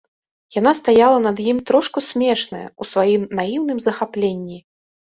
Яна стаяла над ім трошку смешная ў сваім наіўным захапленні.